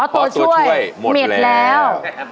เพราะตัวช่วยหมดแล้ว